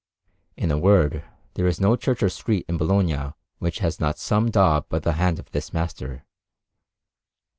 In a word, there is no church or street in Bologna which has not some daub by the hand of this master.